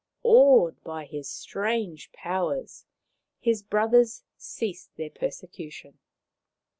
Awed by his strange powers, his brothers ceased their persecution.